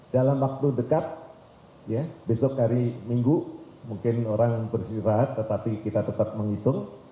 dalam waktu dekat ya besok hari minggu mungkin orang bersirat tetapi kita tetap menghitung